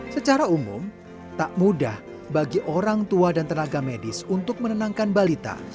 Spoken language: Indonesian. secara umum tak mudah bagi orang tua dan tenaga medis untuk menenangkan balita